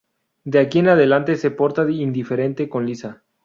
De aquí en adelante se porta indiferente con Lisa.